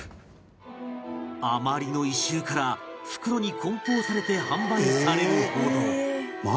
あまりの異臭から袋に梱包されて販売されるほど